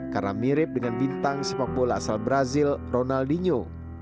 karena mirip dengan bintang sepak bola asal brazil ronaldinho